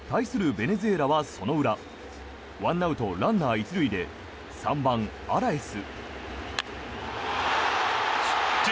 ベネズエラはその裏１アウト、ランナー１塁で３番、アラエス。